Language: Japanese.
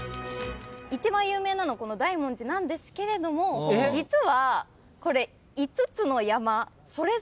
一番有名なのこの大文字なんですけれども実はこれ。